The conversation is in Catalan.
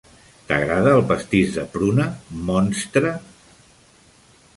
T'agrada el pastís de pruna, monstre?